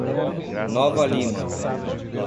Nova Lima